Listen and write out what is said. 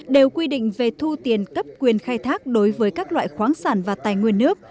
đều quy định về thu tiền cấp quyền khai thác đối với các loại khoáng sản và tài nguyên nước